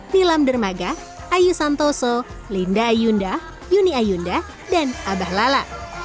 linda ayunda yuni ayunda dan abah lala